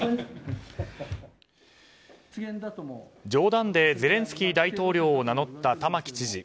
冗談でゼレンスキー大統領を名乗った玉城知事。